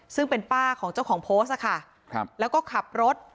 ซึ่งเป็นป้าของเจ้าของโพสต์ค่ะแล้วก็ขับรถ